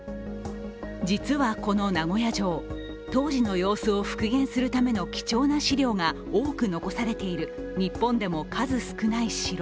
実はこの名古屋城、当時の様子を復元するための貴重な資料が多く残されている日本でも数少ない城。